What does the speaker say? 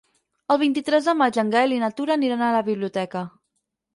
El vint-i-tres de maig en Gaël i na Tura aniran a la biblioteca.